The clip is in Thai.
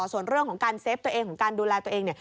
ส่วนเรื่องของการเซฟตัวเองของการดูแลตัวเองเนี่ย